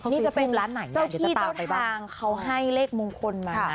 นี่จะเป็นร้านไหนเจ้าที่เจ้าทางเขาให้เลขมงคลมา